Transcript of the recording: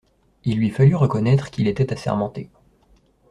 Il lui fallut reconnaître qu'il était assermenté.